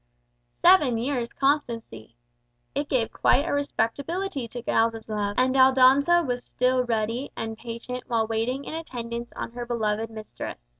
Seven years' constancy! It gave quite a respectability to Giles's love, and Aldonza was still ready and patient while waiting in attendance on her beloved mistress.